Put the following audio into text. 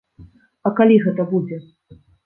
А калі гэта будзе?